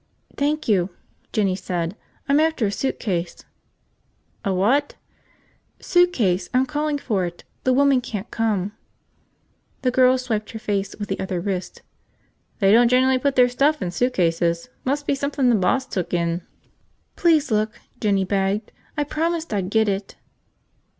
"Thank you," Jinny said. "I'm after a suitcase." "A what?" "Suitcase. I'm calling for it. The woman can't come." The girl swiped her face with the other wrist. "They don't generally put their stuff in suitcases. Must be somethin' the boss took in." "Please look!" Jinny begged. "I promised I'd get it!"